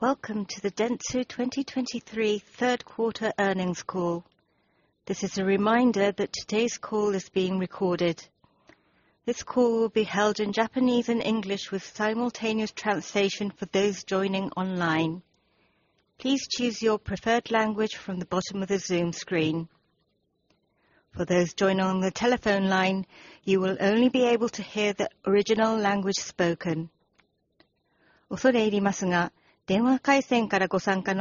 Welcome to the Dentsu 2023 third quarter earnings call. This is a reminder that today's call is being recorded. This call will be held in Japanese and English with simultaneous translation for those joining online. Please choose your preferred language from the bottom of the Zoom screen. For those joining on the telephone line, you will only be able to hear the original language spoken. Today's presentation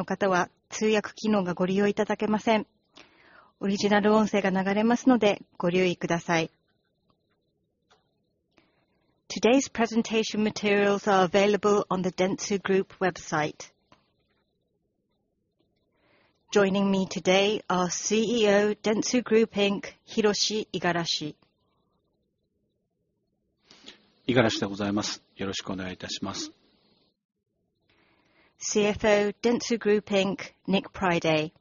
materials are available on the Dentsu Group website. Joining me today are CEO, Dentsu Group Inc., Hiroshi Igarashi. CFO, Dentsu Group Inc., Nick Priday.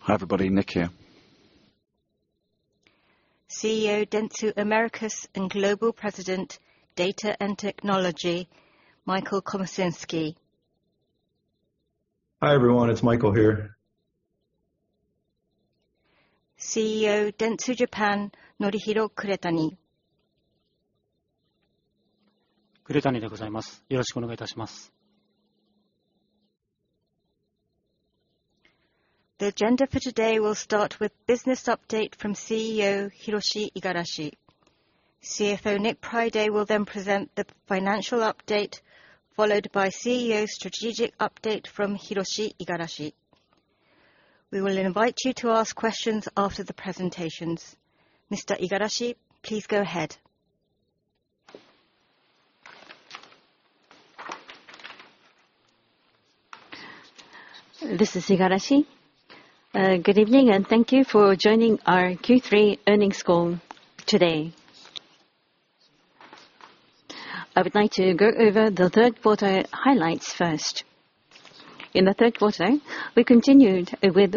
Hi, everybody, Nick here. CEO, Dentsu Americas and Global President, Data and Technology, Michael Komasinski. Hi, everyone. It's Michael here. CEO, Dentsu Japan, Norihiro Kuretani. The agenda for today will start with business update from CEO Hiroshi Igarashi. CFO Nick Priday will then present the financial update, followed by CEO strategic update from Hiroshi Igarashi. We will invite you to ask questions after the presentations. Mr. Igarashi, please go ahead. This is Igarashi. Good evening, and thank you for joining our Q3 earnings call today. I would like to go over the third quarter highlights first. In the third quarter, we continued with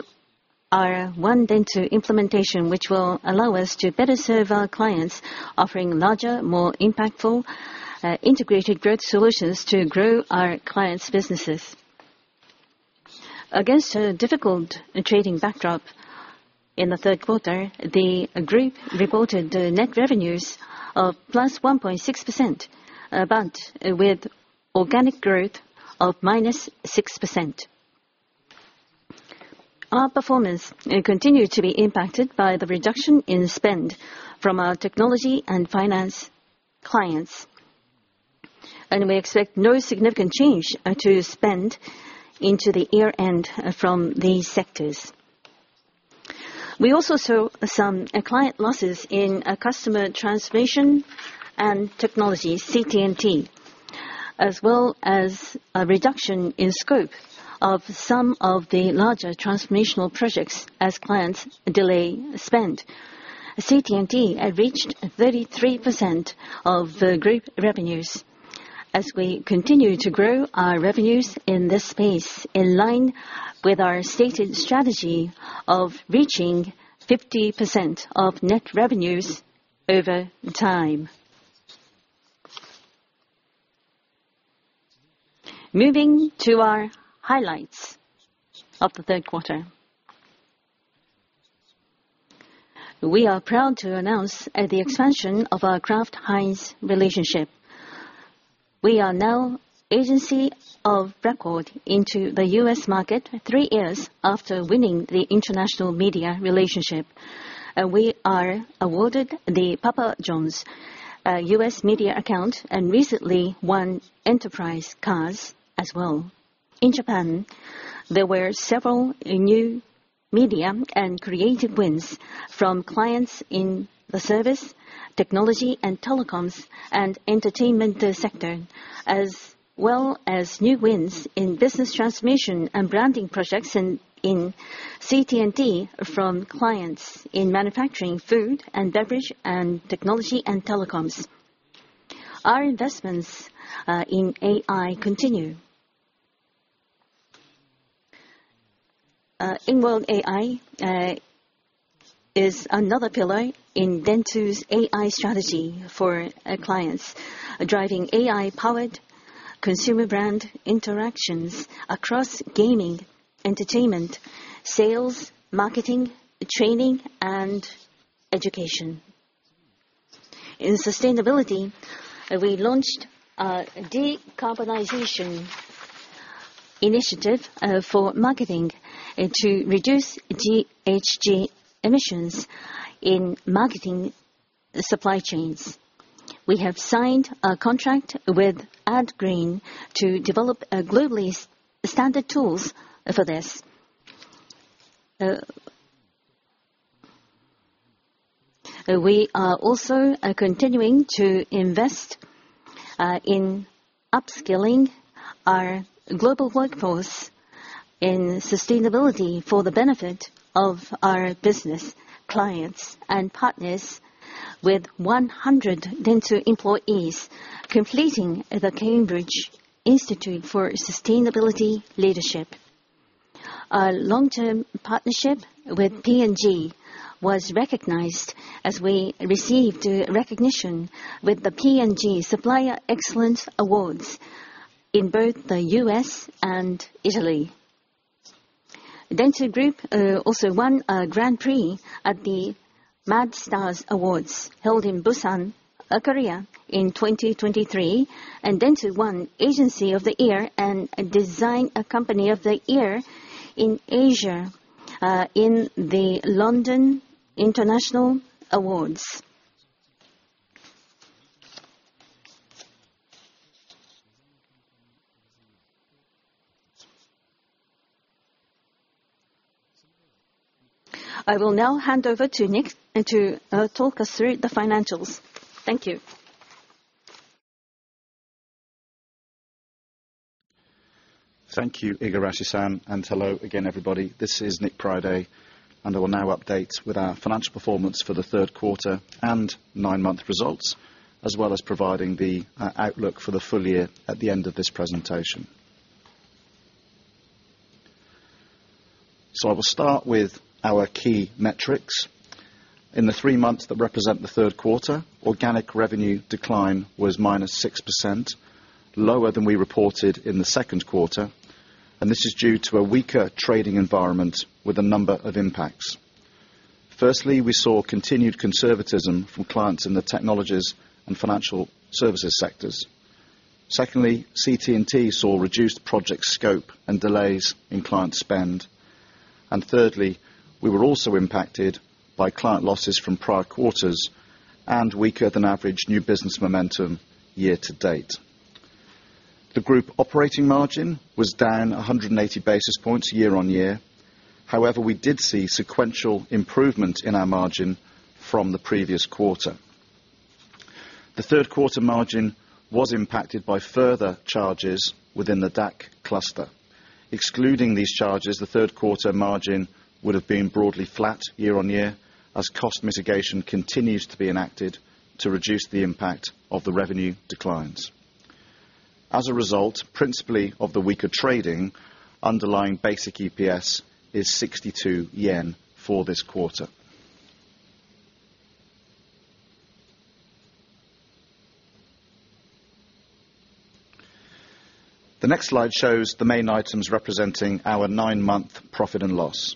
our One Dentsu implementation, which will allow us to better serve our clients, offering larger, more impactful integrated growth solutions to grow our clients' businesses. Against a difficult trading backdrop in the third quarter, the group reported net revenues of +1.6%, but with organic growth of -6%. Our performance continued to be impacted by the reduction in spend from our technology and finance clients, and we expect no significant change to spend into the year-end from these sectors. We also saw some client losses in Customer Transformation and Technology, CT&T, as well as a reduction in scope of some of the larger transformational projects as clients delay spend. CT&T reached 33% of the group revenues as we continue to grow our revenues in this space, in line with our stated strategy of reaching 50% of net revenues over time. Moving to our highlights of the third quarter. We are proud to announce the expansion of our Kraft Heinz relationship. We are now agency of record into the U.S. market, 3 years after winning the international media relationship. We are awarded the Papa John's U.S. media account, and recently won Enterprise cars as well. In Japan, there were several new Media and Creative wins from clients in the service, technology and telecoms, and entertainment sector, as well as new wins in business transformation and branding projects in CT&T from clients in manufacturing, food and beverage, and technology and telecoms. Our investments in AI continue. Inworld AI is another pillar in Dentsu's AI strategy for our clients, driving AI-powered consumer brand interactions across gaming, entertainment, sales, marketing, training, and education. In sustainability, we launched a decarbonization initiative for marketing and to reduce GHG emissions in marketing supply chains. We have signed a contract with AdGreen to develop globally standard tools for this. We are also continuing to invest in upskilling our global workforce in sustainability for the benefit of our business, clients, and partners, with 100 Dentsu employees completing the Cambridge Institute for Sustainability Leadership.... Our long-term partnership with P&G was recognized as we received recognition with the P&G Supplier Excellence Awards in both the U.S. and Italy. Dentsu Group also won a Grand Prix at the MAD Stars Awards, held in Busan, Korea, in 2023, and Dentsu won Agency of the Year and Design Company of the Year in Asia in the London International Awards. I will now hand over to Nick and to talk us through the financials. Thank you. Thank you, Igarashi-san, and hello again, everybody. This is Nick Priday, and I will now update with our financial performance for the third quarter and nine-month results, as well as providing the outlook for the full year at the end of this presentation. So I will start with our key metrics. In the three months that represent the third quarter, organic revenue decline was -6%, lower than we reported in the second quarter, and this is due to a weaker trading environment with a number of impacts. Firstly, we saw continued conservatism from clients in the technologies and financial services sectors. Secondly, CT&T saw reduced project scope and delays in client spend. And thirdly, we were also impacted by client losses from prior quarters and weaker than average new business momentum year to date. The group operating margin was down 180 basis points year-on-year. However, we did see sequential improvement in our margin from the previous quarter. The third quarter margin was impacted by further charges within the DAC Cluster. Excluding these charges, the third quarter margin would have been broadly flat year-on-year, as cost mitigation continues to be enacted to reduce the impact of the revenue declines. As a result, principally of the weaker trading, underlying basic EPS is 62 yen for this quarter. The next slide shows the main items representing our nine-month profit and loss.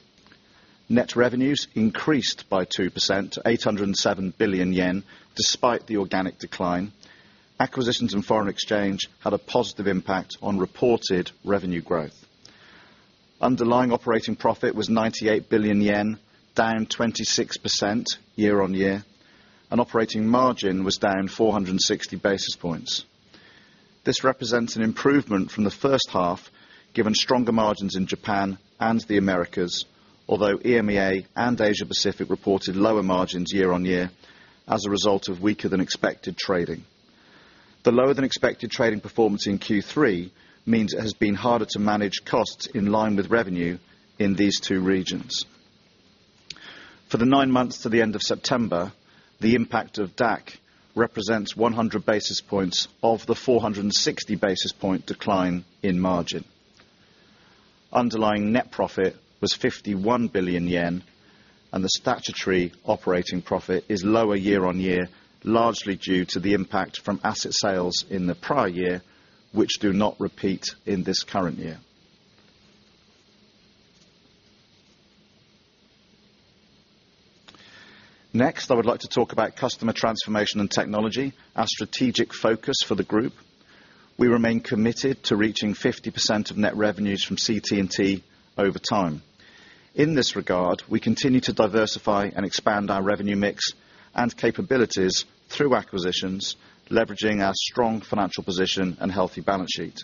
Net revenues increased by 2% to 807 billion yen, despite the organic decline. Acquisitions and foreign exchange had a positive impact on reported revenue growth. Underlying operating profit was 98 billion yen, down 26% year-on-year, and operating margin was down 460 basis points. This represents an improvement from the first half, given stronger margins in Japan and the Americas, although EMEA and Asia Pacific reported lower margins year-on-year as a result of weaker than expected trading. The lower than expected trading performance in Q3 means it has been harder to manage costs in line with revenue in these two regions. For the nine months to the end of September, the impact of DAC represents 100 basis points of the 460 basis point decline in margin. Underlying net profit was 51 billion yen, and the statutory operating profit is lower year-on-year, largely due to the impact from asset sales in the prior year, which do not repeat in this current year. Next, I would like to talk about Customer Transformation and Technology, our strategic focus for the group. We remain committed to reaching 50% of net revenues from CT&T over time. In this regard, we continue to diversify and expand our revenue mix and capabilities through acquisitions, leveraging our strong financial position and healthy balance sheet.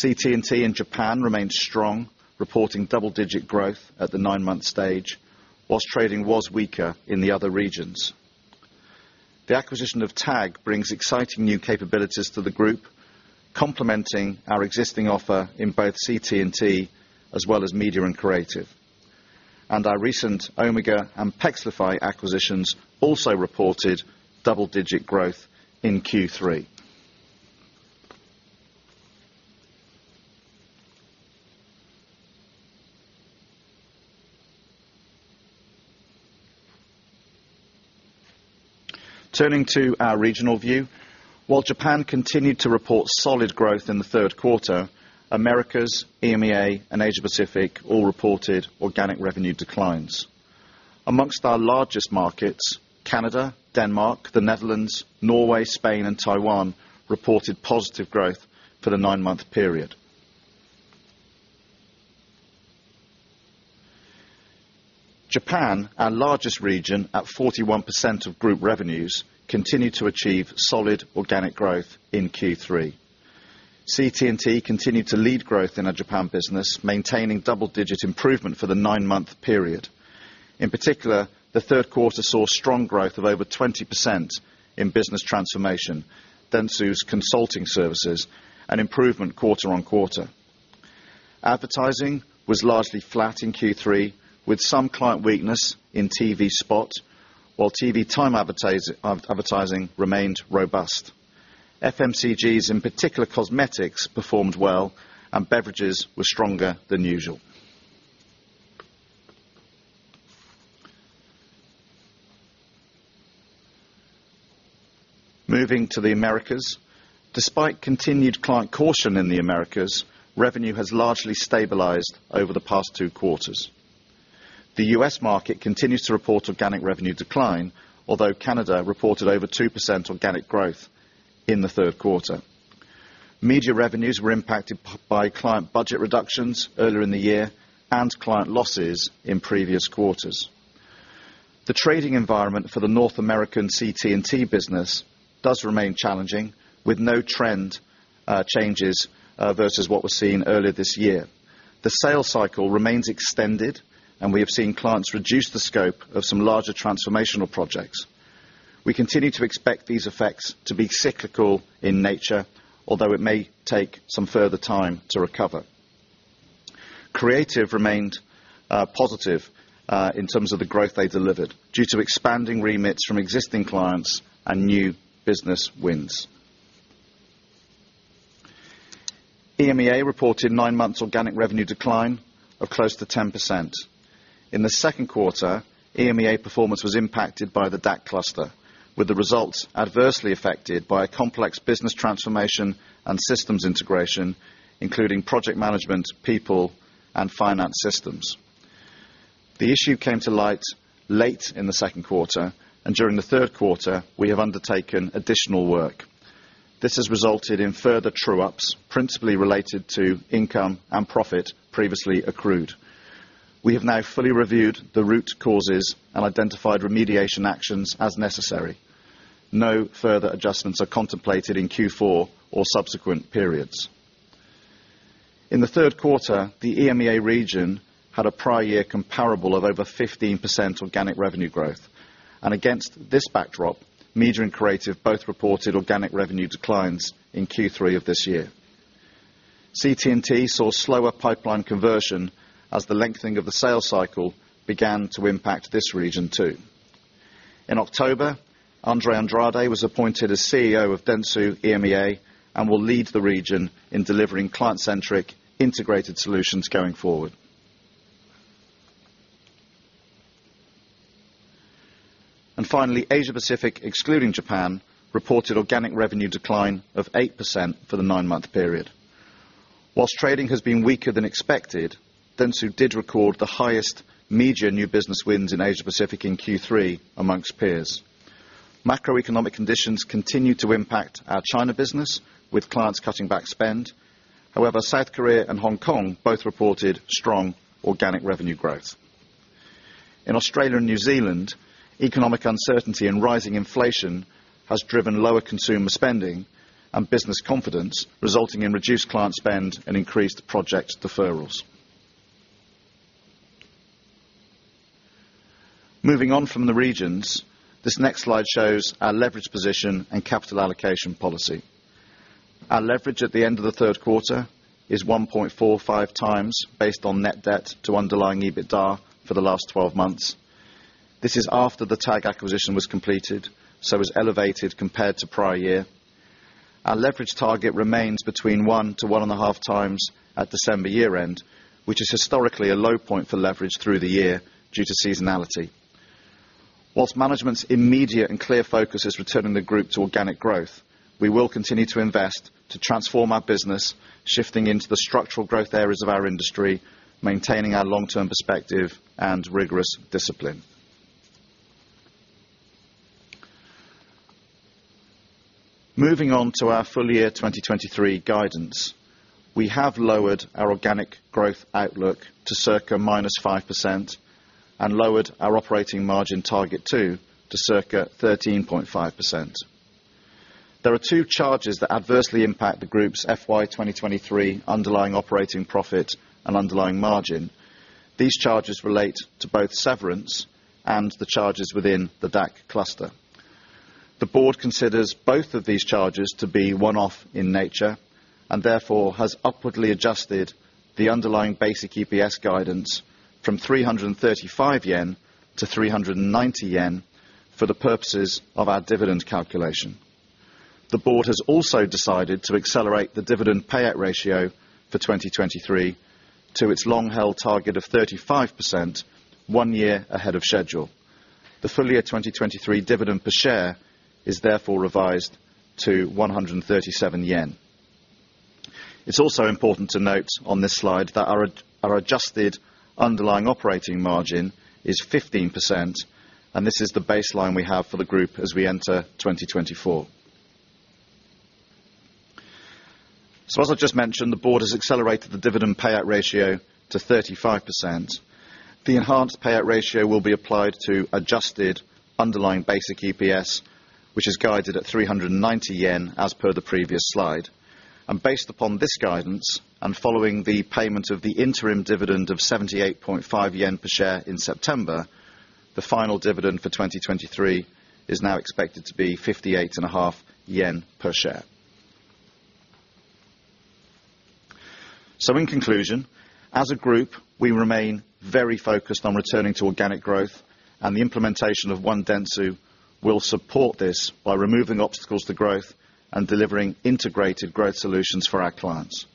CT&T in Japan remains strong, reporting double-digit growth at the nine-month stage, while trading was weaker in the other regions. The acquisition of Tag brings exciting new capabilities to the group, complementing our existing offer in both CT&T as well as Media and Creative. Our recent Omega and Pexlify acquisitions also reported double-digit growth in Q3. Turning to our regional view, while Japan continued to report solid growth in the third quarter, Americas, EMEA, and Asia Pacific all reported organic revenue declines. Among our largest markets, Canada, Denmark, the Netherlands, Norway, Spain, and Taiwan reported positive growth for the nine-month period. Japan, our largest region, at 41% of group revenues, continued to achieve solid organic growth in Q3. CT&T continued to lead growth in our Japan business, maintaining double-digit improvement for the nine-month period. In particular, the third quarter saw strong growth of over 20% in business transformation, Dentsu's consulting services, an improvement quarter-over-quarter. Advertising was largely flat in Q3, with some client weakness in TV spot, while TV time advertising remained robust. FMCGs, in particular cosmetics, performed well, and beverages were stronger than usual. Moving to the Americas. Despite continued client caution in the Americas, revenue has largely stabilized over the past two quarters. The U.S. market continues to report organic revenue decline, although Canada reported over 2% organic growth in the third quarter. Media revenues were impacted by client budget reductions earlier in the year and client losses in previous quarters. The trading environment for the North American CT&T business does remain challenging, with no trend changes versus what was seen earlier this year. The sales cycle remains extended, and we have seen clients reduce the scope of some larger transformational projects. We continue to expect these effects to be cyclical in nature, although it may take some further time to recover. Creative remained positive in terms of the growth they delivered, due to expanding remits from existing clients and new business wins. EMEA reported nine months organic revenue decline of close to 10%. In the second quarter, EMEA performance was impacted by the DAC cluster, with the results adversely affected by a complex business transformation and systems integration, including project management, people, and finance systems. The issue came to light late in the second quarter, and during the third quarter, we have undertaken additional work. This has resulted in further true ups, principally related to income and profit previously accrued. We have now fully reviewed the root causes and identified remediation actions as necessary. No further adjustments are contemplated in Q4 or subsequent periods. In the third quarter, the EMEA region had a prior year comparable of over 15% organic revenue growth. Against this backdrop, Media and Creative both reported organic revenue declines in Q3 of this year. CT&T saw slower pipeline conversion as the lengthening of the sales cycle began to impact this region, too. In October, André Andrade was appointed as CEO of Dentsu EMEA, and will lead the region in delivering client-centric, integrated solutions going forward. Finally, Asia Pacific, excluding Japan, reported organic revenue decline of 8% for the nine-month period. While trading has been weaker than expected, Dentsu did record the highest media new business wins in Asia Pacific in Q3 amongst peers. Macroeconomic conditions continue to impact our China business, with clients cutting back spend. However, South Korea and Hong Kong both reported strong organic revenue growth. In Australia and New Zealand, economic uncertainty and rising inflation has driven lower consumer spending and business confidence, resulting in reduced client spend and increased project deferrals. Moving on from the regions, this next slide shows our leverage position and capital allocation policy. Our leverage at the end of the third quarter is 1.45 times based on net debt to underlying EBITDA for the last 12 months. This is after the Tag acquisition was completed, so is elevated compared to prior year. Our leverage target remains between 1-1.5 times at December year-end, which is historically a low point for leverage through the year due to seasonality. While management's immediate and clear focus is returning the group to organic growth, we will continue to invest to transform our business, shifting into the structural growth areas of our industry, maintaining our long-term perspective and rigorous discipline. Moving on to our full year 2023 guidance. We have lowered our organic growth outlook to circa -5% and lowered our operating margin target too, to circa 13.5%. There are two charges that adversely impact the Group's FY 2023 underlying operating profit and underlying margin. These charges relate to both severance and the charges within the DAC Cluster. The Board considers both of these charges to be one-off in nature, and therefore, has upwardly adjusted the underlying basic EPS guidance from 335 yen to 390 yen for the purposes of our dividend calculation. The Board has also decided to accelerate the dividend payout ratio for 2023 to its long-held target of 35%, one year ahead of schedule. The full year 2023 dividend per share is therefore revised to 137 yen. It's also important to note on this slide that our adjusted underlying operating margin is 15%, and this is the baseline we have for the group as we enter 2024. So as I just mentioned, the Board has accelerated the dividend payout ratio to 35%. The enhanced payout ratio will be applied to adjusted underlying basic EPS, which is guided at 390 yen, as per the previous slide. Based upon this guidance, and following the payment of the interim dividend of 78.5 yen per share in September, the final dividend for 2023 is now expected to be 58.5 yen per share. In conclusion, as a group, we remain very focused on returning to organic growth, and the implementation of One Dentsu will support this by removing obstacles to growth and delivering integrated growth solutions for our clients.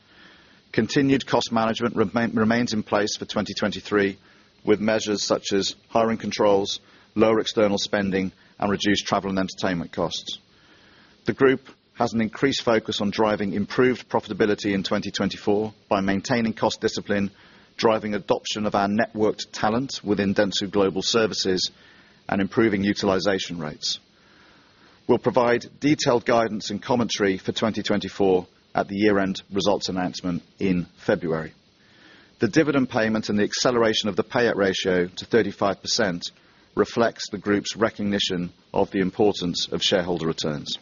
Continued cost management remains in place for 2023, with measures such as hiring controls, lower external spending, and reduced travel and entertainment costs. The group has an increased focus on driving improved profitability in 2024 by maintaining cost discipline, driving adoption of our networked talent within Dentsu Global Services, and improving utilization rates. We'll provide detailed guidance and commentary for 2024 at the year-end results announcement in February. The dividend payment and the acceleration of the payout ratio to 35% reflects the group's recognition of the importance of shareholder returns.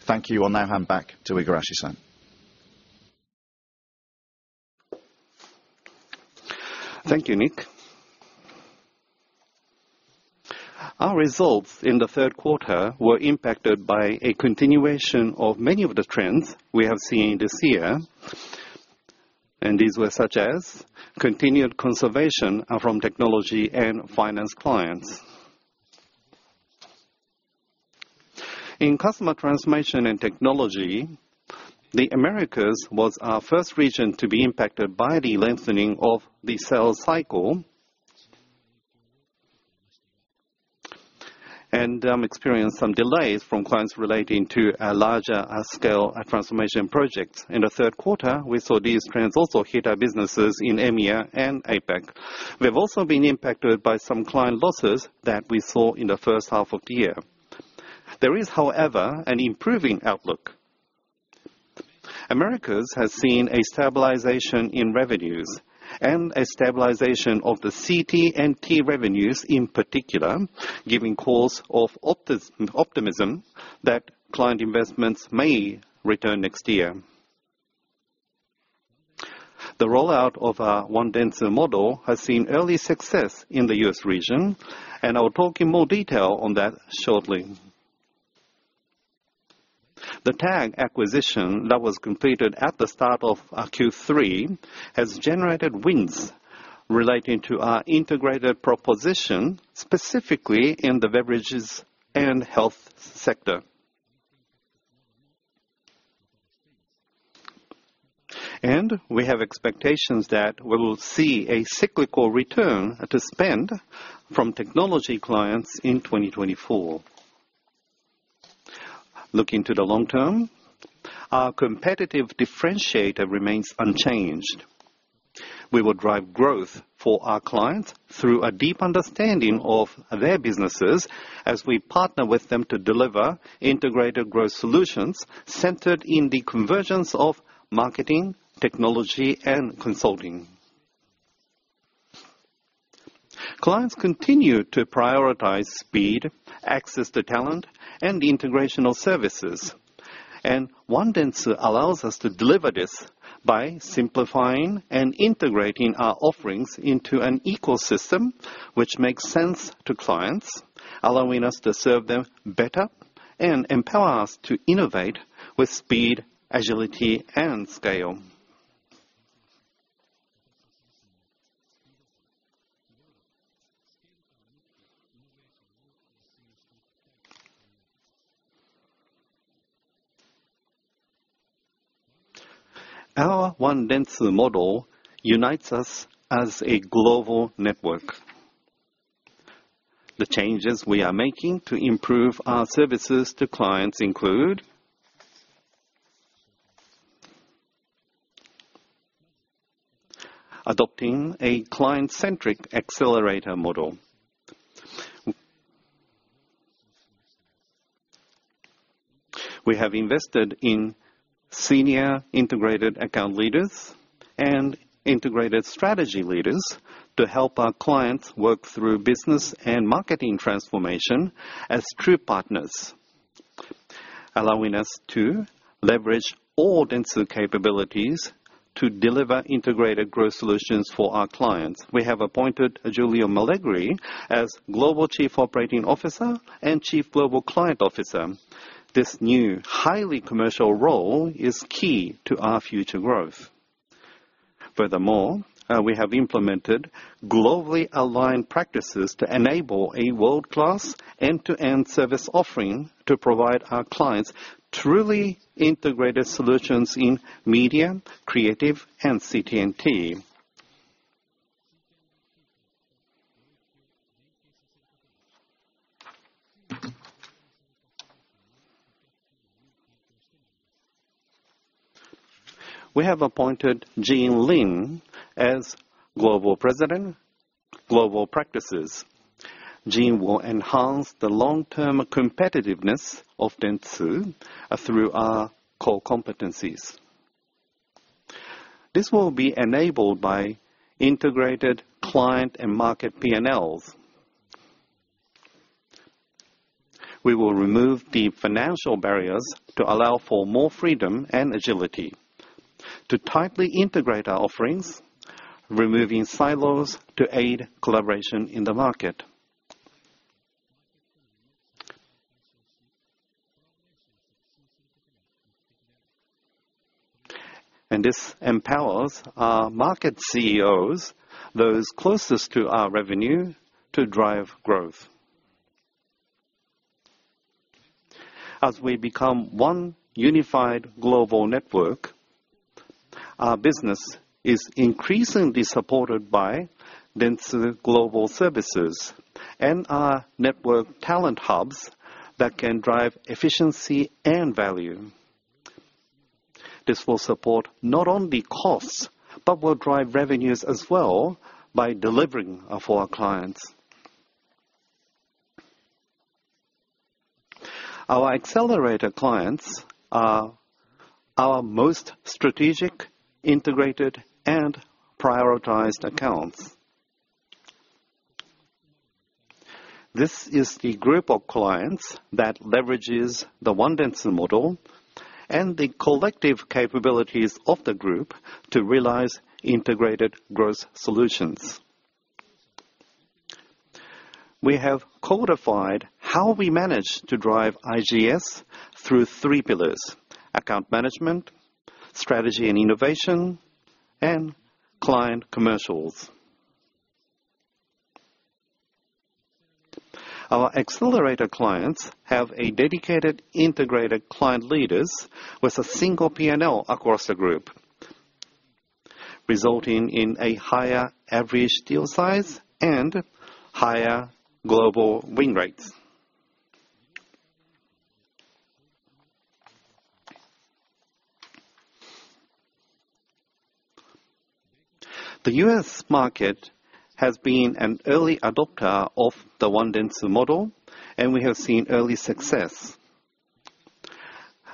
Thank you. I'll now hand back to Igarashi-san. Thank you, Nick. Our results in the third quarter were impacted by a continuation of many of the trends we have seen this year, and these were such as continued conservation from technology and finance clients. In Customer Transformation and Technology, the Americas was our first region to be impacted by the lengthening of the sales cycle and experienced some delays from clients relating to a larger scale transformation projects. In the third quarter, we saw these trends also hit our businesses in EMEA and APAC. We've also been impacted by some client losses that we saw in the first half of the year. There is, however, an improving outlook. Americas has seen a stabilization in revenues and a stabilization of the CT&T revenues, in particular, giving cause of optimism that client investments may return next year. The rollout of our One Dentsu model has seen early success in the US region, and I'll talk in more detail on that shortly. The Tag acquisition that was completed at the start of Q3 has generated wins relating to our integrated proposition, specifically in the beverages and health sector. We have expectations that we will see a cyclical return to spend from technology clients in 2024. Looking to the long term, our competitive differentiator remains unchanged. We will drive growth for our clients through a deep understanding of their businesses as we partner with them to deliver integrated growth solutions centered in the convergence of marketing, technology, and consulting. Clients continue to prioritize speed, access to talent, and integrational services. One Dentsu allows us to deliver this by simplifying and integrating our offerings into an ecosystem, which makes sense to clients, allowing us to serve them better and empower us to innovate with speed, agility, and scale. Our One Dentsu model unites us as a global network. The changes we are making to improve our services to clients include adopting a client-centric accelerator model. We have invested in senior integrated account leaders and integrated strategy leaders to help our clients work through business and marketing transformation as true partners, allowing us to leverage all Dentsu capabilities to deliver integrated growth solutions for our clients. We have appointed Giulio Malegori as Global Chief Operating Officer and Chief Global Client Officer. This new highly commercial role is key to our future growth. Furthermore, we have implemented globally aligned practices to enable a world-class end-to-end service offering to provide our clients truly integrated solutions in media, creative, and CT&T. We have appointed Jean Lin as Global President, Global Practices. Jean will enhance the long-term competitiveness of Dentsu through our core competencies. This will be enabled by integrated client and market P&Ls. We will remove the financial barriers to allow for more freedom and agility to tightly integrate our offerings, removing silos to aid collaboration in the market. This empowers our market CEOs, those closest to our revenue, to drive growth.... As we become one unified global network, our business is increasingly supported by Dentsu Global Services and our network talent hubs that can drive efficiency and value. This will support not only costs, but will drive revenues as well by delivering for our clients. Our accelerator clients are our most strategic, integrated, and prioritized accounts. This is the group of clients that leverages the One Dentsu model and the collective capabilities of the group to realize integrated growth solutions. We have codified how we manage to drive IGS through three pillars: account management, strategy and innovation, and client commercials. Our accelerator clients have a dedicated integrated client leaders with a single P&L across the group, resulting in a higher average deal size and higher global win rates. The U.S. market has been an early adopter of the One Dentsu model, and we have seen early success.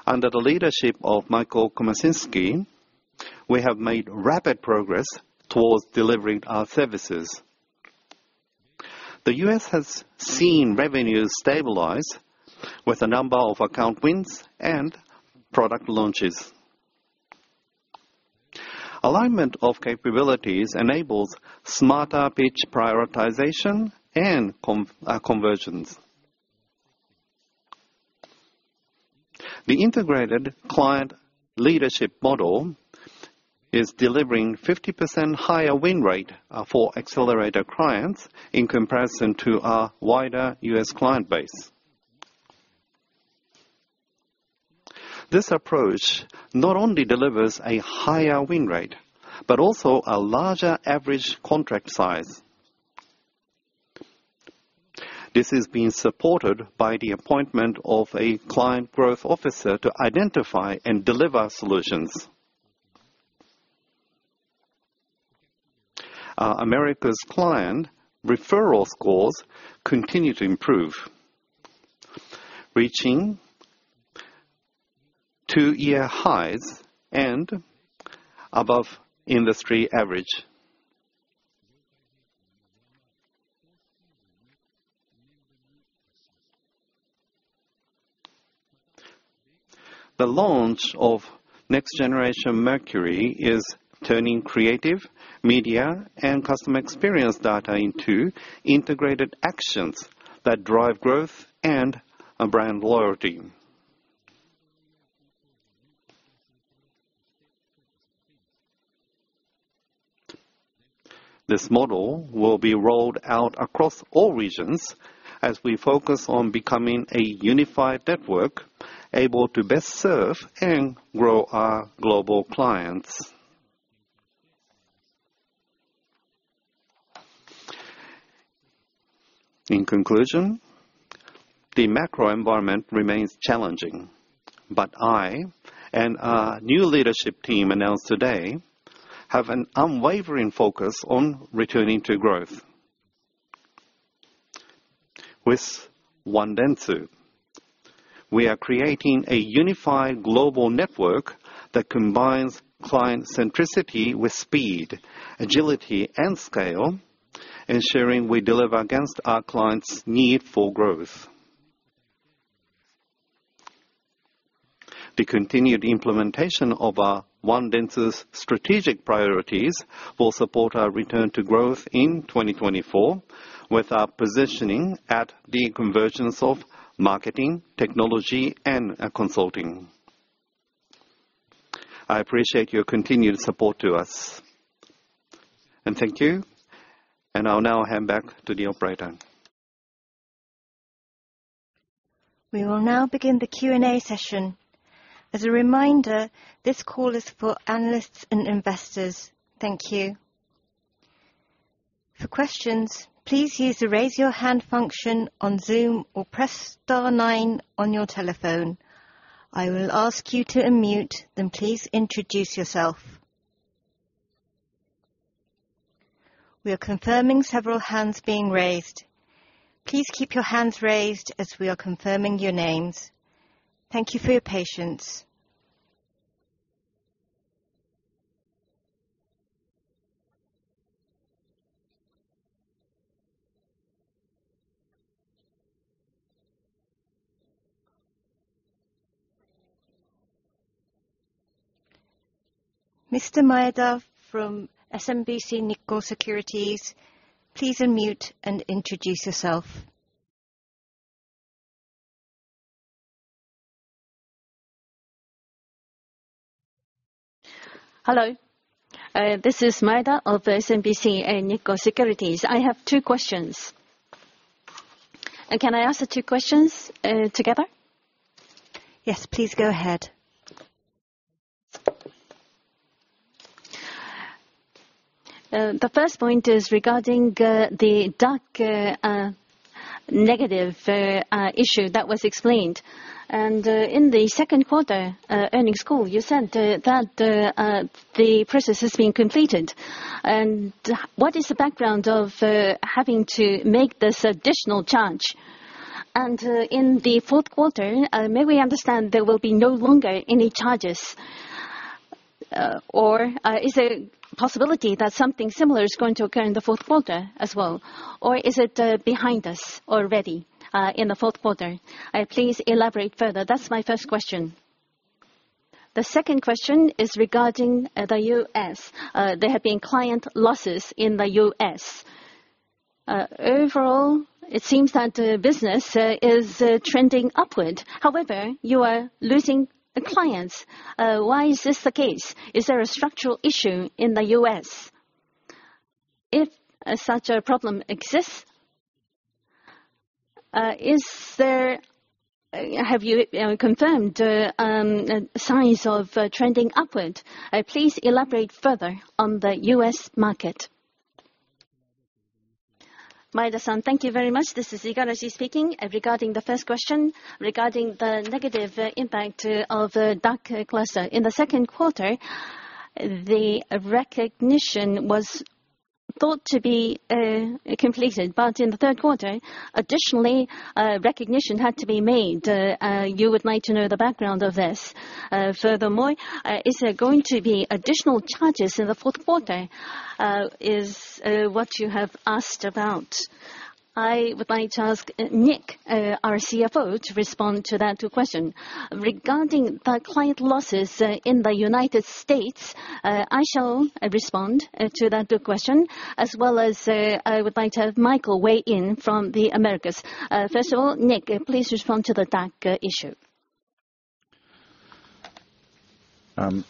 Under the leadership of Michael Komasinski, we have made rapid progress towards delivering our services. The U.S. has seen revenues stabilize with a number of account wins and product launches. Alignment of capabilities enables smarter pitch prioritization and conversions. The integrated client leadership model is delivering 50% higher win rate for accelerator clients in comparison to our wider US client base. This approach not only delivers a higher win rate, but also a larger average contract size. This is being supported by the appointment of a client growth officer to identify and deliver solutions. Our Americas' client referral scores continue to improve, reaching two-year highs and above industry average. The launch of Next Generation Mercury is turning creative, media, and customer experience data into integrated actions that drive growth and brand loyalty. This model will be rolled out across all regions as we focus on becoming a unified network, able to best serve and grow our global clients. In conclusion, the macro environment remains challenging, but I and our new leadership team announced today have an unwavering focus on returning to growth. With One Dentsu, we are creating a unified global network that combines client centricity with speed, agility, and scale, ensuring we deliver against our clients' need for growth. The continued implementation of our One Dentsu's strategic priorities will support our return to growth in 2024, with our positioning at the convergence of marketing, technology, and consulting. I appreciate your continued support to us, and thank you. I'll now hand back to the operator. We will now begin the Q&A session. As a reminder, this call is for analysts and investors. Thank you. For questions, please use the Raise Your Hand function on Zoom or press star nine on your telephone. I will ask you to unmute, then please introduce yourself. We are confirming several hands being raised. Please keep your hands raised as we are confirming your names. Thank you for your patience. Mr. Maeda from SMBC Nikko Securities, please unmute and introduce yourself. ... Hello, this is Maeda of SMBC Nikko Securities. I have two questions. Can I ask the two questions together? Yes, please go ahead. The first point is regarding the DAC negative issue that was explained. In the second quarter earnings call, you said that the process has been completed. What is the background of having to make this additional charge? In the fourth quarter, may we understand there will be no longer any charges? Or, is there a possibility that something similar is going to occur in the fourth quarter as well? Or is it behind us already in the fourth quarter? Please elaborate further. That's my first question. The second question is regarding the U.S. There have been client losses in the U.S. Overall, it seems that business is trending upward. However, you are losing the clients. Why is this the case? Is there a structural issue in the U.S.? If such a problem exists, is there... Have you confirmed signs of trending upward? Please elaborate further on the US market. Maeda-san, thank you very much. This is Igarashi speaking. Regarding the first question, regarding the negative impact of DAC Cluster. In the second quarter, the recognition was thought to be completed, but in the third quarter, additionally, recognition had to be made. You would like to know the background of this. Furthermore, is there going to be additional charges in the fourth quarter, is what you have asked about. I would like to ask Nick, our CFO, to respond to that two question. Regarding the client losses in the United States, I shall respond to that two question, as well as I would like to have Michael weigh in from the Americas. First of all, Nick, please respond to the DAC issue.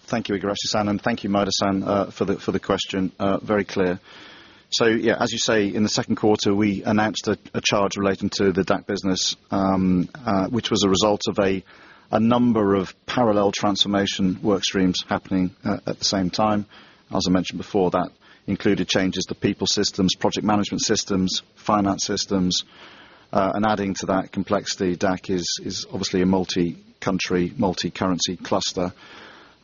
Thank you, Igarashi-san, and thank you, Maeda-san, for the question. Very clear. So yeah, as you say, in the second quarter, we announced a charge relating to the DAC business, which was a result of a number of parallel transformation work streams happening at the same time. As I mentioned before, that included changes to people systems, project management systems, finance systems. And adding to that complexity, DAC is obviously a multi-country, multi-currency cluster.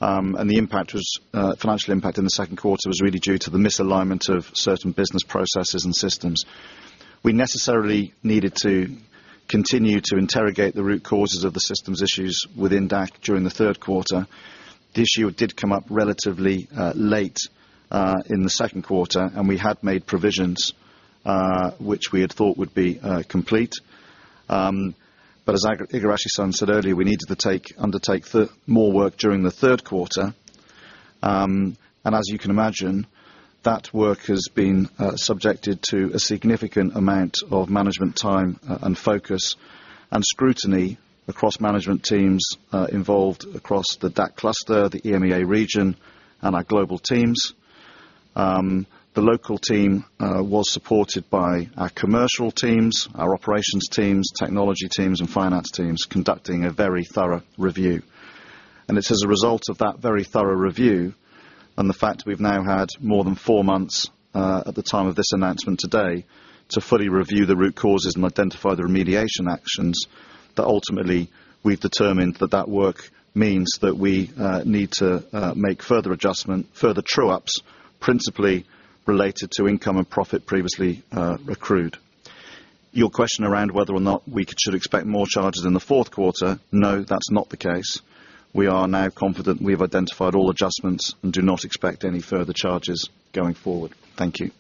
And the impact was, financial impact in the second quarter was really due to the misalignment of certain business processes and systems. We necessarily needed to continue to interrogate the root causes of the systems issues within DAC during the third quarter. The issue did come up relatively late in the second quarter, and we had made provisions which we had thought would be complete. But as Igarashi-san said earlier, we needed to take, undertake more work during the third quarter. And as you can imagine, that work has been subjected to a significant amount of management time and focus, and scrutiny across management teams involved across the DAC cluster, the EMEA region, and our global teams. The local team was supported by our commercial teams, our operations teams, technology teams, and finance teams, conducting a very thorough review. It's as a result of that very thorough review, and the fact we've now had more than four months, at the time of this announcement today, to fully review the root causes and identify the remediation actions, that ultimately we've determined that that work means that we need to make further adjustment, further true ups, principally related to income and profit previously accrued. Your question around whether or not we should expect more charges in the fourth quarter, no, that's not the case. We are now confident we've identified all adjustments and do not expect any further charges going forward. Thank you.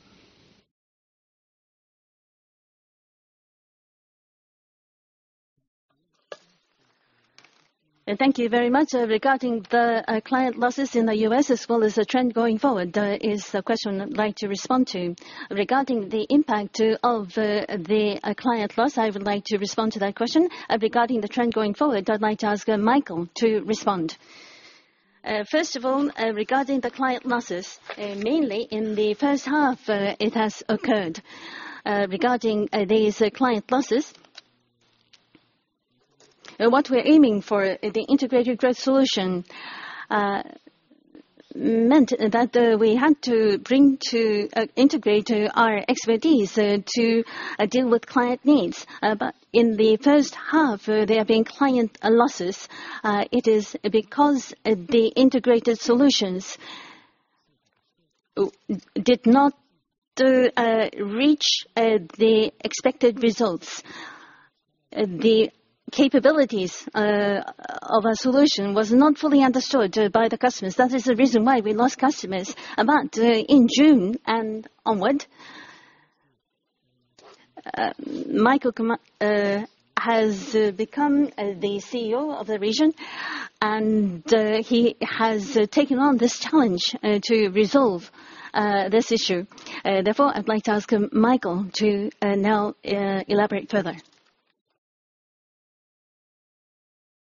Thank you very much. Regarding the client losses in the U.S., as well as the trend going forward, is the question I'd like to respond to. Regarding the impact of the client loss, I would like to respond to that question. Regarding the trend going forward, I'd like to ask Michael to respond. First of all, regarding the client losses, mainly in the first half, it has occurred. Regarding these client losses, what we're aiming for, the integrated growth solution, meant that we had to bring to integrate our expertise to deal with client needs. But in the first half, there have been client losses. It is because the integrated solutions did not reach the expected results. The capabilities of our solution was not fully understood by the customers. That is the reason why we lost customers. But in June and onward, Michael Komasinski has become the CEO of the region, and he has taken on this challenge to resolve this issue. Therefore, I'd like to ask Michael to now elaborate further. ...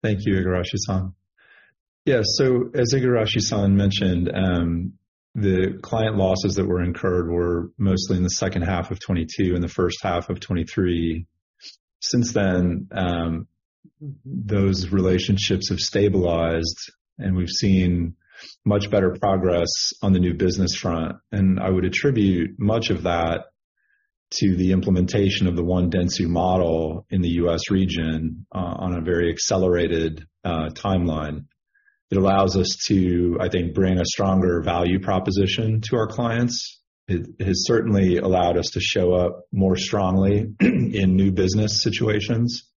Thank you, Igarashi-san. Yeah, so as Igarashi-san mentioned, the client losses that were incurred were mostly in the second half of 2022 and the first half of 2023. Since then, those relationships have stabilized, and we've seen much better progress on the new business front. And I would attribute much of that to the implementation of the One Dentsu model in the U.S. region, on a very accelerated timeline. It allows us to, I think, bring a stronger value proposition to our clients. It has certainly allowed us to show up more strongly in new business situations.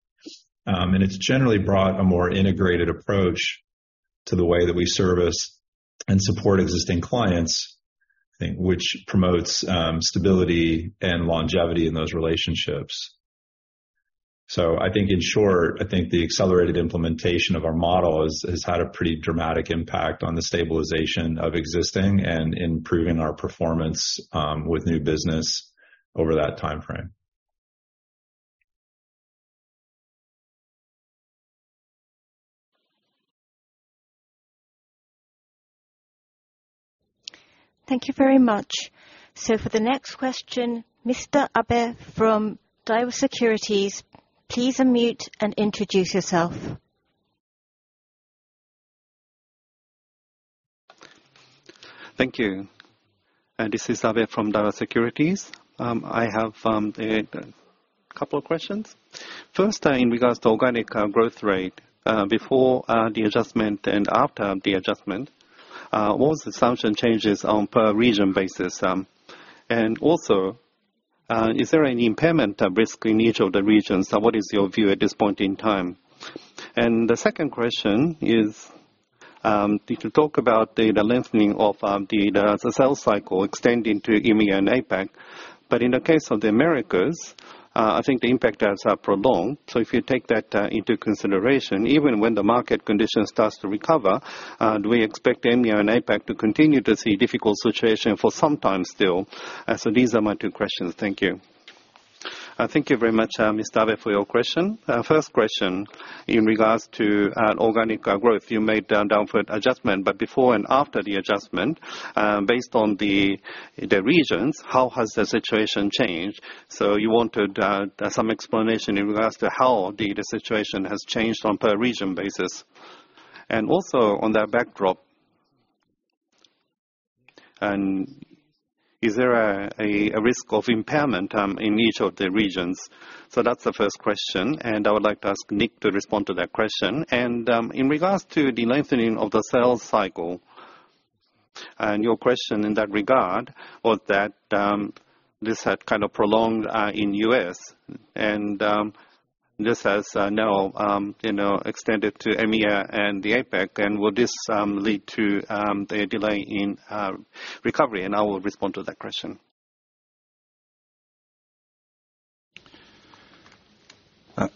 And it's generally brought a more integrated approach to the way that we service and support existing clients, I think, which promotes stability and longevity in those relationships. I think in short, the accelerated implementation of our model has had a pretty dramatic impact on the stabilization of existing and improving our performance with new business over that timeframe. Thank you very much. For the next question, Mr. Abe from Daiwa Securities, please unmute and introduce yourself. Thank you. This is Abe from Daiwa Securities. I have a couple of questions. First, in regards to organic growth rate, before the adjustment and after the adjustment, what assumption changes on per region basis? And also, is there any impairment risk in each of the regions, so what is your view at this point in time? And the second question is, you could talk about the lengthening of the sales cycle extending to EMEA and APAC, but in the case of the Americas, I think the impact has prolonged. So if you take that into consideration, even when the market condition starts to recover, do we expect EMEA and APAC to continue to see difficult situation for some time still? So these are my two questions. Thank you. Thank you very much, Mr. Abe, for your question. First question, in regards to organic growth, you made a downward adjustment, but before and after the adjustment, based on the regions, how has the situation changed? So you wanted some explanation in regards to how the situation has changed on per region basis. And also on that backdrop, is there a risk of impairment in each of the regions? So that's the first question, and I would like to ask Nick to respond to that question. In regards to the lengthening of the sales cycle, and your question in that regard, was that this had kind of prolonged in U.S., and this has now you know extended to EMEA and the APAC, and will this lead to the delay in recovery? And I will respond to that question.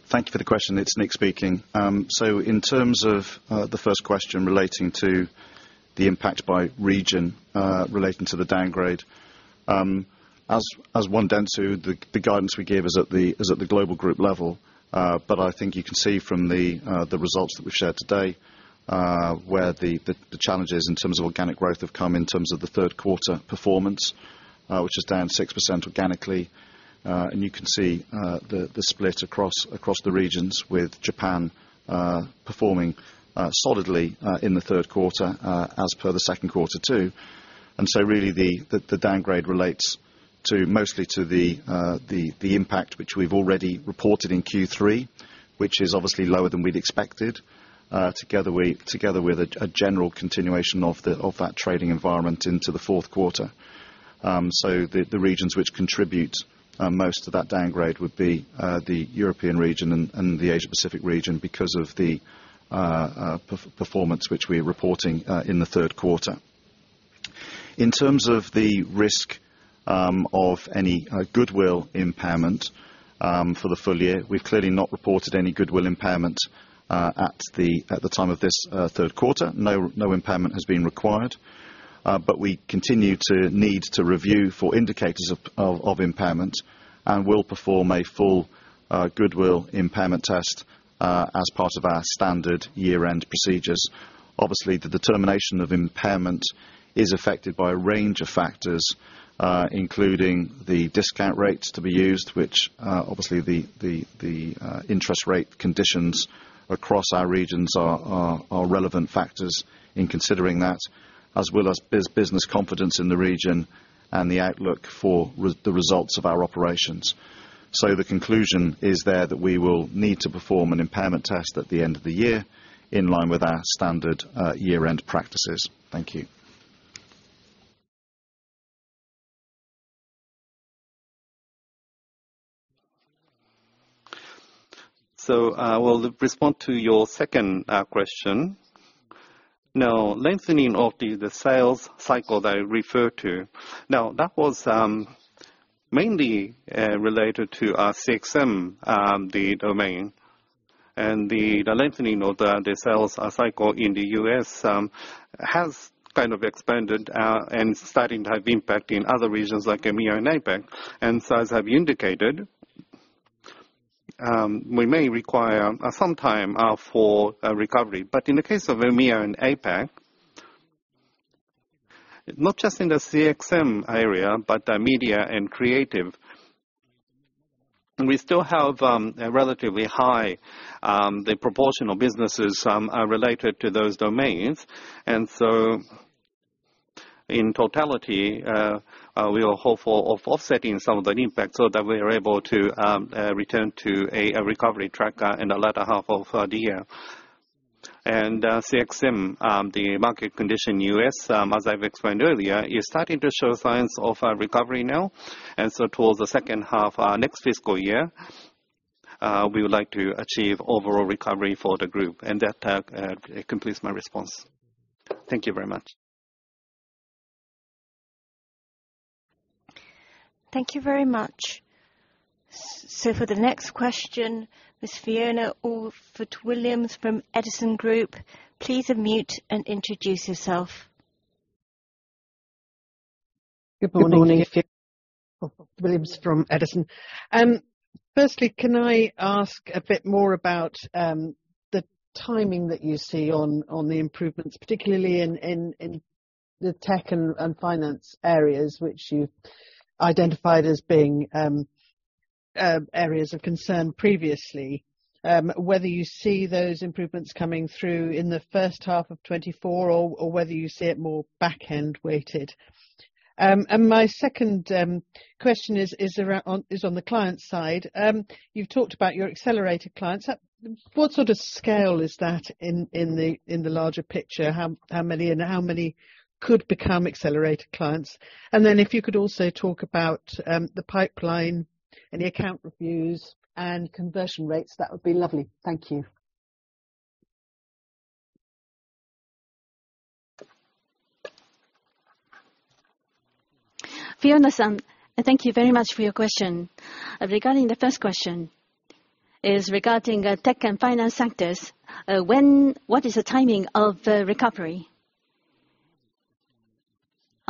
Thank you for the question. It's Nick speaking. So in terms of the first question relating to the impact by region, relating to the downgrade, as One Dentsu, the guidance we give is at the global group level. But I think you can see from the results that we've shared today, where the challenges in terms of organic growth have come in terms of the third quarter performance, which is down 6% organically. And you can see the split across the regions with Japan performing solidly in the third quarter, as per the second quarter too. So really, the downgrade relates mostly to the impact which we've already reported in Q3, which is obviously lower than we'd expected, together with a general continuation of that trading environment into the fourth quarter. So the regions which contribute most of that downgrade would be the European region and the Asia Pacific region because of the poor performance which we're reporting in the third quarter. In terms of the risk of any goodwill impairment for the full year, we've clearly not reported any goodwill impairment at the time of this third quarter. No, no impairment has been required, but we continue to need to review for indicators of impairment and will perform a full, goodwill impairment test, as part of our standard year-end procedures. Obviously, the determination of impairment is affected by a range of factors, including the discount rates to be used, which, obviously, the interest rate conditions across our regions are relevant factors in considering that, as well as business confidence in the region and the outlook for the results of our operations. So the conclusion is there that we will need to perform an impairment test at the end of the year, in line with our standard, year-end practices. Thank you. So, we'll respond to your second question. Now, lengthening of the sales cycle that I referred to. Now, that was mainly related to our CXM domain, and the lengthening of the sales cycle in the U.S. has kind of expanded and starting to have impact in other regions like EMEA and APAC. And so as I've indicated, we may require some time for a recovery. But in the case of EMEA and APAC—not just in the CXM area, but Media and Creative. We still have a relatively high the proportion of businesses are related to those domains. And so in totality, we are hopeful of offsetting some of the impact so that we are able to return to a recovery track in the latter half of the year. And CXM, the market condition U.S., as I've explained earlier, is starting to show signs of recovery now. And so towards the second half next fiscal year, we would like to achieve overall recovery for the group, and that completes my response. Thank you very much. Thank you very much. So for the next question, Ms. Fiona Orford-Williams from Edison Group, please unmute and introduce yourself. Good morning. Fiona Williams from Edison. Firstly, can I ask a bit more about the timing that you see on the improvements, particularly in the tech and finance areas, which you've identified as being areas of concern previously? Whether you see those improvements coming through in the first half of 2024, or whether you see it more back end weighted. And my second question is on the client side. You've talked about your accelerated clients. What sort of scale is that in the larger picture? How many and how many could become accelerated clients? And then if you could also talk about the pipeline and the account reviews and conversion rates, that would be lovely. Thank you. Fiona-san, thank you very much for your question. Regarding the first question, regarding tech and finance sectors, what is the timing of recovery?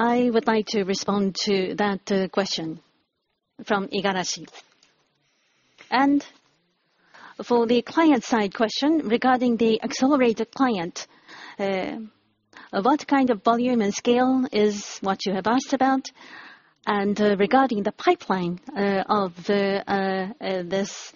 I would like to respond to that question from Igarashi. And for the client side question, regarding the accelerated client, what kind of volume and scale is what you have asked about, and regarding the pipeline of this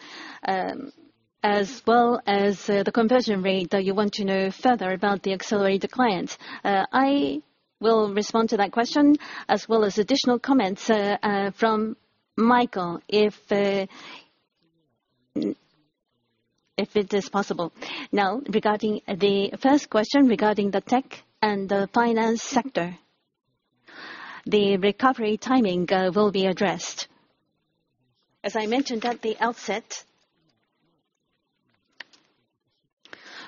as well as the conversion rate that you want to know further about the accelerated clients. I will respond to that question, as well as additional comments from Michael, if it is possible. Now, regarding the first question, regarding the tech and the finance sector, the recovery timing will be addressed. As I mentioned at the outset,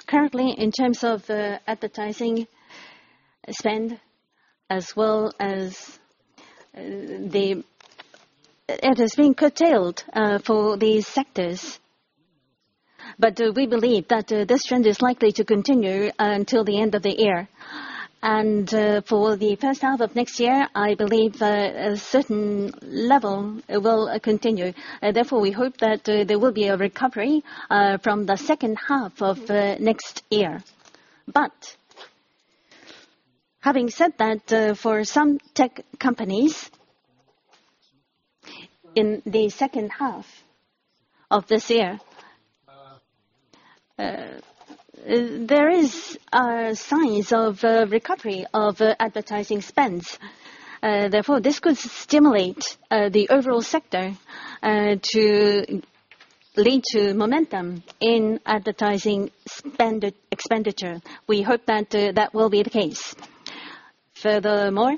currently, in terms of advertising spend, as well as the. It has been curtailed for these sectors. But we believe that this trend is likely to continue until the end of the year. And for the first half of next year, I believe a certain level will continue. Therefore, we hope that there will be a recovery from the second half of next year. But having said that, for some tech companies, in the second half of this year, there is signs of recovery of advertising spends. Therefore, this could stimulate the overall sector to lead to momentum in advertising spend, expenditure. We hope that that will be the case. Furthermore,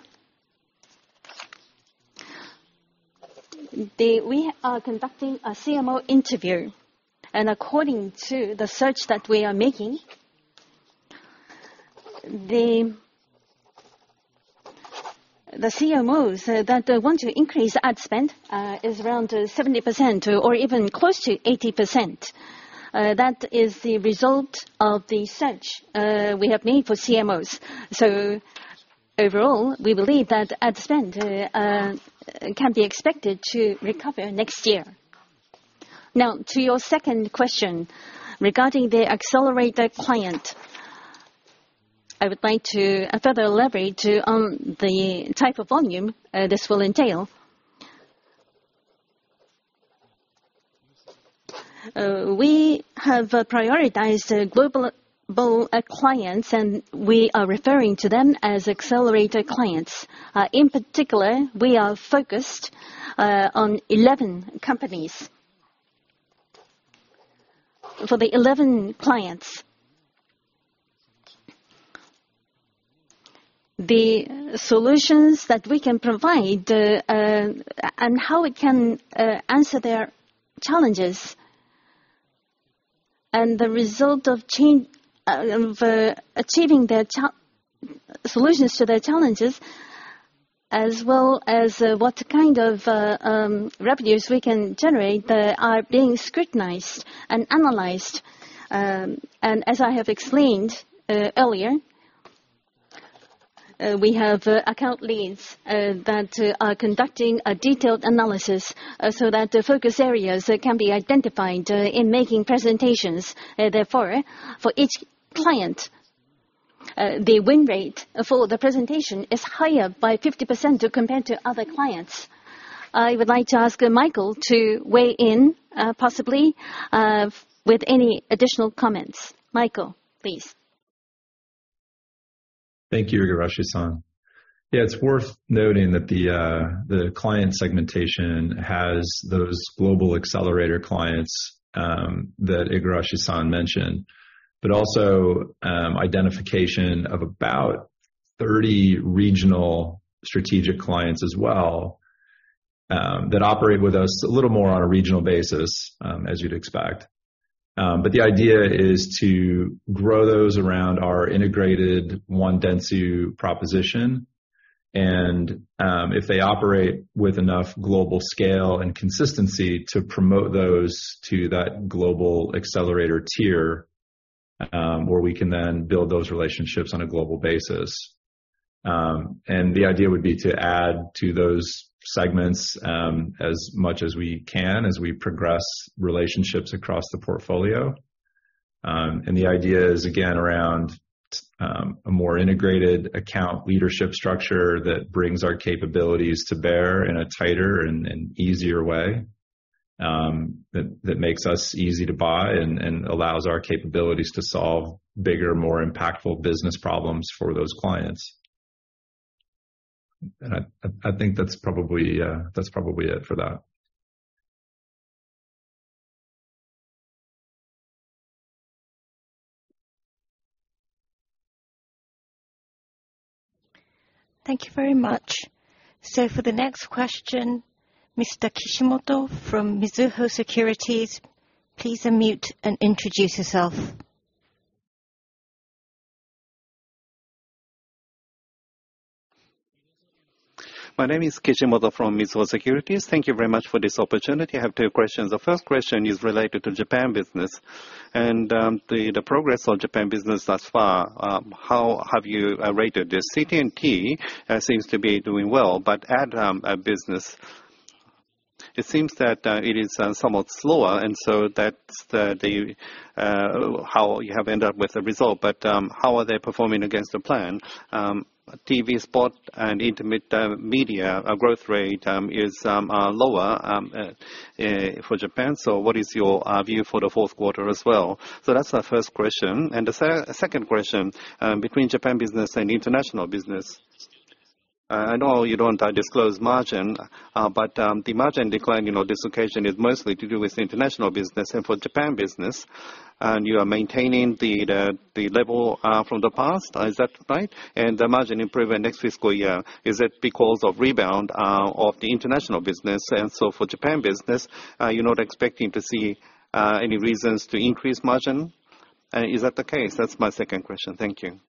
we are conducting a CMO interview, and according to the search that we are making, the CMOs that want to increase ad spend is around 70% or even close to 80%. That is the result of the search we have made for CMOs. So overall, we believe that ad spend can be expected to recover next year. Now, to your second question, regarding the accelerated client, I would like to further elaborate on the type of volume this will entail. We have prioritized global clients, and we are referring to them as accelerated clients. In particular, we are focused on 11 companies. For the 11 clients, the solutions that we can provide, and how it can answer their challenges, and the result of change of achieving their solutions to their challenges, as well as what kind of revenues we can generate that are being scrutinized and analyzed. And as I have explained earlier, we have account leads that are conducting a detailed analysis, so that the focus areas can be identified in making presentations. Therefore, for each client the win rate for the presentation is higher by 50% to compared to other clients. I would like to ask Michael to weigh in, possibly, with any additional comments. Michael, please. Thank you, Igarashi-san. Yeah, it's worth noting that the client segmentation has those global accelerator clients that Igarashi-san mentioned, but also identification of about 30 regional strategic clients as well that operate with us a little more on a regional basis, as you'd expect. But the idea is to grow those around our integrated One Dentsu proposition, and if they operate with enough global scale and consistency, to promote those to that global accelerator tier where we can then build those relationships on a global basis. And the idea would be to add to those segments as much as we can as we progress relationships across the portfolio. And the idea is, again, around a more integrated account leadership structure that brings our capabilities to bear in a tighter and easier way, that makes us easy to buy and allows our capabilities to solve bigger, more impactful business problems for those clients. And I think that's probably it for that. Thank you very much. So for the next question, Mr. Kishimoto from Mizuho Securities, please unmute and introduce yourself. My name is Kishimoto from Mizuho Securities. Thank you very much for this opportunity. I have two questions. The first question is related to Japan business and the progress of Japan business thus far. How have you rated it? CT&T seems to be doing well, but ad business, it seems that it is somewhat slower, and so that's the how you have ended up with the result. But how are they performing against the plan? TV spot and intermediate media, our growth rate is lower for Japan, so what is your view for the fourth quarter as well? So that's our first question, and the second question, between Japan business and international business, I know you don't disclose margin, but the margin decline, you know, this occasion is mostly to do with international business and for Japan business, and you are maintaining the level from the past. Is that right? And the margin improvement next fiscal year, is it because of rebound of the international business? And so for Japan business, are you not expecting to see any reasons to increase margin? Is that the case? That's my second question. Thank you.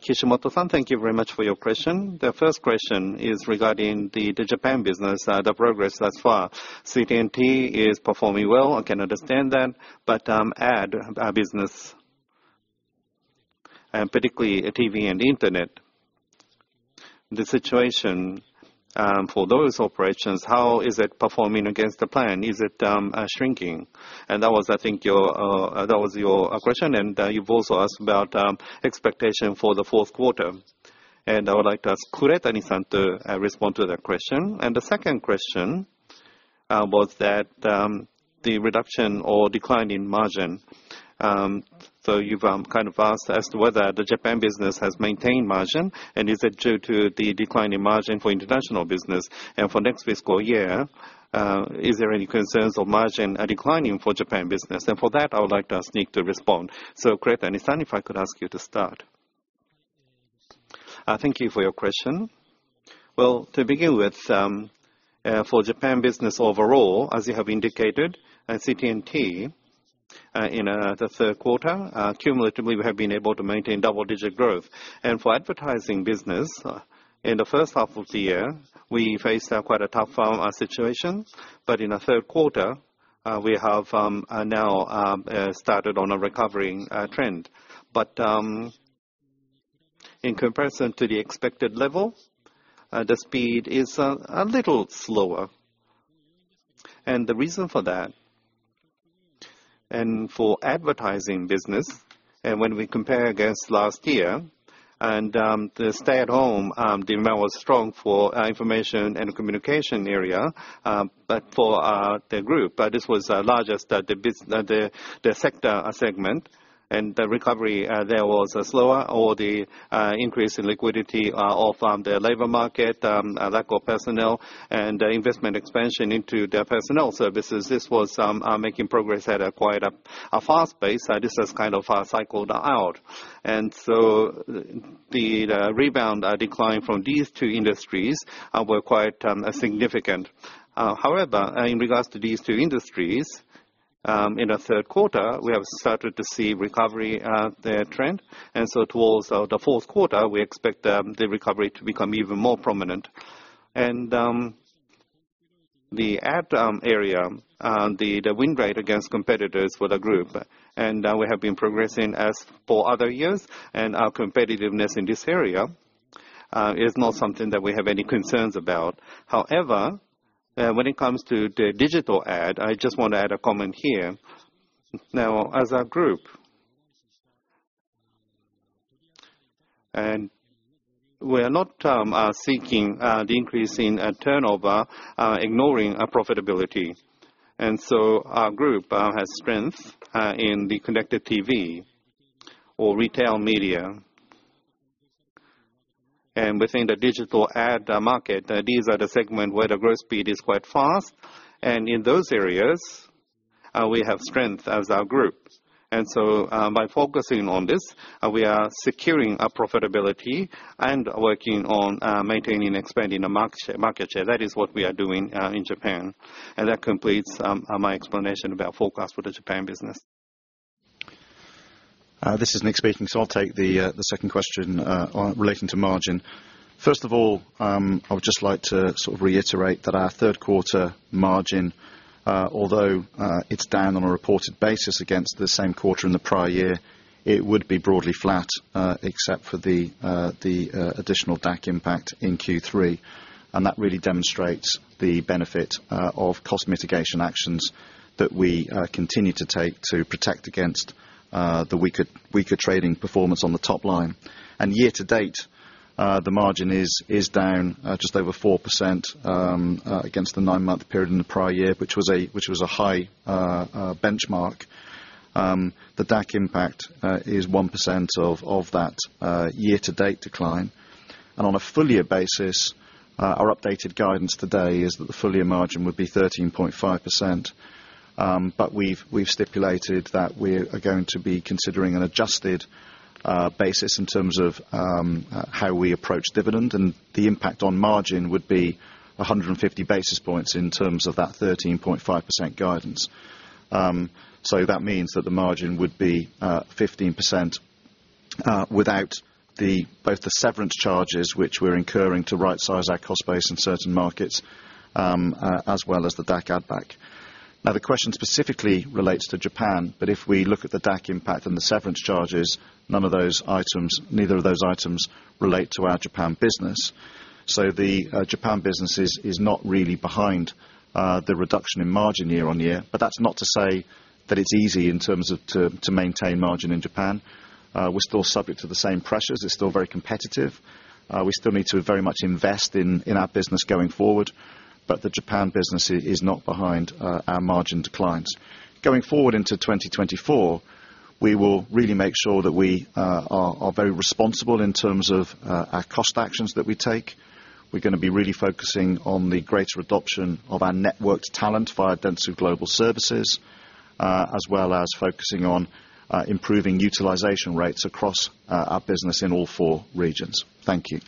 Kishimoto-san, thank you very much for your question. The first question is regarding the Japan business, the progress thus far. CT&T is performing well, I can understand that, but ad business, and particularly TV and internet, the situation for those operations, how is it performing against the plan? Is it shrinking? And that was, I think, your question, and you've also asked about expectation for the fourth quarter. And I would like to ask Kuretani-san to respond to that question. And the second question was that, the reduction or decline in margin. So you've kind of asked as to whether the Japan business has maintained margin, and is it due to the decline in margin for international business? And for next fiscal year, is there any concerns of margin declining for Japan business? And for that, I would like to ask Nick to respond. So Kuretani-san, if I could ask you to start. Thank you for your question. Well, to begin with, for Japan business overall, as you have indicated, at CT&T, in the third quarter, cumulatively, we have been able to maintain double-digit growth. And for advertising business, in the first half of the year, we faced quite a tough situation, but in the third quarter, we have now started on a recovering trend. But, in comparison to the expected level, the speed is a little slower. The reason for that, and for advertising business, and when we compare against last year, the stay-at-home demand was strong for information and communication area, but for the group, this was largest that the sector segment, and the recovery there was slower or the increase in liquidity of the labor market, lack of personnel and investment expansion into their personnel services. This was making progress at a quite fast pace, this has kind of cycled out. So the rebound decline from these two industries were quite significant. However, in regards to these two industries, in the third quarter, we have started to see recovery their trend, and so towards the fourth quarter, we expect the recovery to become even more prominent. And the ad area the win rate against competitors for the group, and we have been progressing as for other years, and our competitiveness in this area... is not something that we have any concerns about. However, when it comes to the digital ad, I just want to add a comment here. Now, as a group, we are not seeking the increase in turnover ignoring our profitability. And so our group has strength in the connected TV or retail media. And within the digital ad market, these are the segment where the growth speed is quite fast, and in those areas, we have strength as our group. And so, by focusing on this, we are securing our profitability and working on maintaining and expanding the market share, market share. That is what we are doing in Japan. And that completes my explanation about forecast for the Japan business. This is Nick speaking, so I'll take the second question on relating to margin. First of all, I would just like to sort of reiterate that our third quarter margin, although it's down on a reported basis against the same quarter in the prior year, it would be broadly flat, except for the additional DAC impact in Q3. And that really demonstrates the benefit of cost mitigation actions that we continue to take to protect against the weaker trading performance on the top line. And year to date, the margin is down just over 4% against the nine-month period in the prior year, which was a high benchmark. The DAC impact is 1% of that year to date decline. On a full year basis, our updated guidance today is that the full year margin would be 13.5%. But we've, we've stipulated that we are going to be considering an adjusted basis in terms of how we approach dividend, and the impact on margin would be 150 basis points in terms of that 13.5% guidance. So that means that the margin would be 15%, without both the severance charges, which we're incurring to rightsize our cost base in certain markets, as well as the DAC add back. Now, the question specifically relates to Japan, but if we look at the DAC impact and the severance charges, none of those items, neither of those items, relate to our Japan business. So the Japan business is not really behind the reduction in margin year-on-year. But that's not to say that it's easy in terms of to maintain margin in Japan. We're still subject to the same pressures. It's still very competitive. We still need to very much invest in our business going forward, but the Japan business is not behind our margin declines. Going forward into 2024, we will really make sure that we are very responsible in terms of our cost actions that we take. We're gonna be really focusing on the greater adoption of our networked talent via Dentsu Global Services, as well as focusing on improving utilization rates across our business in all four regions. Thank you.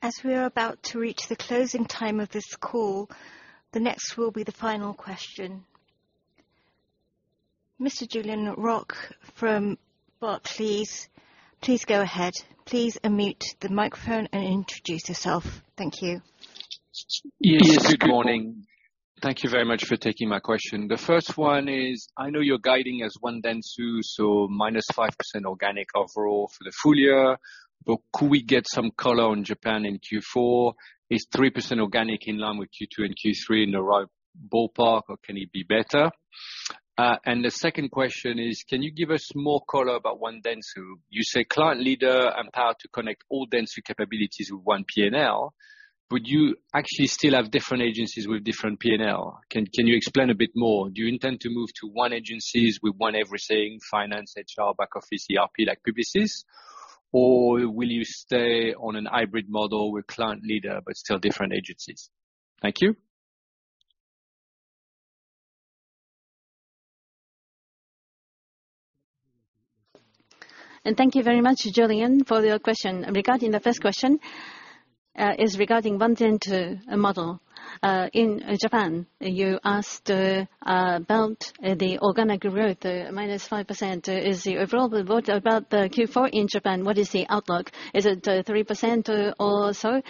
As we are about to reach the closing time of this call, the next will be the final question. Mr. Julien Roch from Barclays, please go ahead. Please unmute the microphone and introduce yourself. Thank you. Yes, good morning. Thank you very much for taking my question. The first one is, I know you're guiding as one Dentsu, so -5% organic overall for the full year, but could we get some color on Japan in Q4? Is 3% organic in line with Q2 and Q3 in the right ballpark, or can it be better? And the second question is, can you give us more color about One Dentsu? You say, client leader and power to connect all Dentsu capabilities with one P&L. Would you actually still have different agencies with different P&L? Can you explain a bit more? Do you intend to move to one agencies with one everything, finance, HR, back office, ERP, like BBC? Or will you stay on a hybrid model with client leader, but still different agencies? Thank you. Thank you very much, Julien, for your question. Regarding the first question, is regarding One Dentsu model. In Japan, you asked about the organic growth minus 5%. Is the overall, what about the Q4 in Japan, what is the outlook? Is it 3% or so?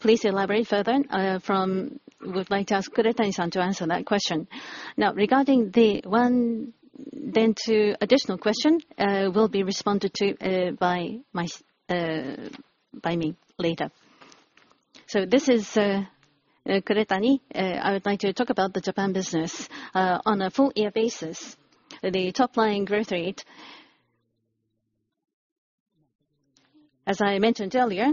Please elaborate further. From-- We'd like to ask Kuretani-san to answer that question. Now, regarding the One Dentsu additional question, will be responded to by my, by me later. This is Kuretani. I would like to talk about the Japan business. On a full year basis, the top line growth rate, as I mentioned earlier,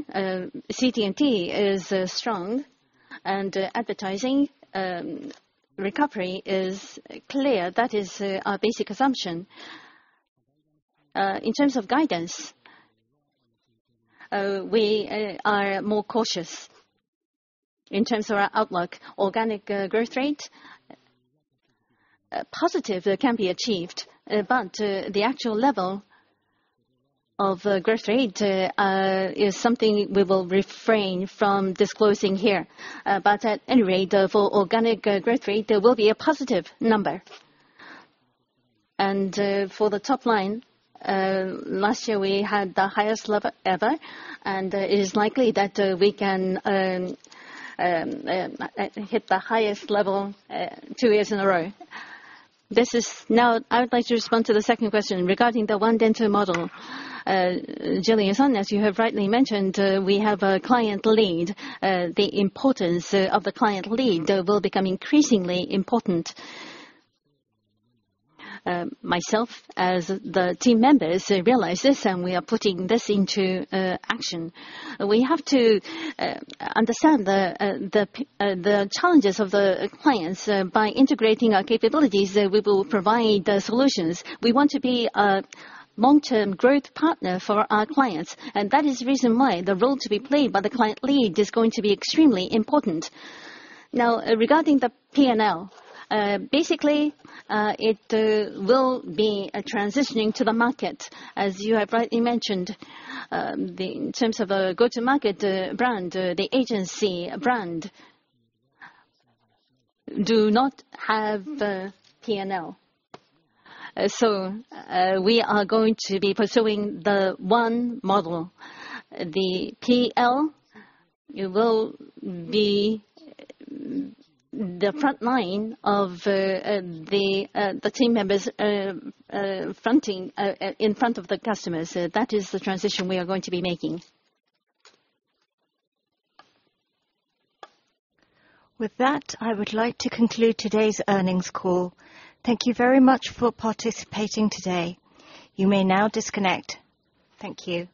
CT&T is strong, and advertising recovery is clear. That is our basic assumption. In terms of guidance, we are more cautious. In terms of our outlook, organic growth rate, positive can be achieved, but the actual level of growth rate is something we will refrain from disclosing here. But at any rate, for organic growth rate, there will be a positive number. And for the top line, last year, we had the highest level ever, and it is likely that we can hit the highest level two years in a row. Now, I would like to respond to the second question regarding the One Dentsu model. Julien-san, as you have rightly mentioned, we have a client lead. The importance of the client lead will become increasingly important. Myself, as the team members, realize this, and we are putting this into action. We have to understand the challenges of the clients. By integrating our capabilities, we will provide the solutions. We want to be a long-term growth partner for our clients, and that is the reason why the role to be played by the client lead is going to be extremely important. Now, regarding the P&L, basically, it will be a transitioning to the market, as you have rightly mentioned. In terms of a go-to-market brand, the agency brand do not have P&L. So, we are going to be pursuing the one model, the PL. It will be the front line of the team members fronting in front of the customers. That is the transition we are going to be making. With that, I would like to conclude today's earnings call. Thank you very much for participating today. You may now disconnect. Thank you.